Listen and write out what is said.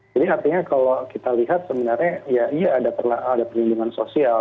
jadi artinya kalau kita lihat sebenarnya ya iya ada perlindungan sosial